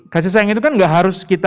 kasih sayang itu kan gak harus kita